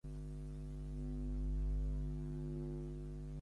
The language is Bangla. তিনি মীর জাফরের সাথে দেখা করে তাঁর আনুগত্যের শপথ গ্রহণ করেন।